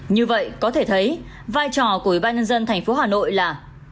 như vậy có thể thấy vai trò của ủy ban nhân dân thành phố hà nội là